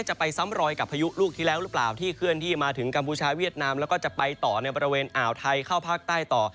จะไปซ้ำรอยกับพายุลูกที่แล้วหรือเปล่าที่เคลื่อนที่มาถึงกัมพูชาเวียดนามแล้วก็จะไปต่อในบริเวณอ่าวไทยเข้าภาคใต้ต่อ